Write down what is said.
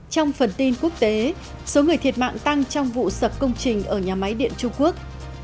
trong phần tin quốc tế số người thiệt mạng tăng trong vụ sập công trình ở nhà máy điện trung quốc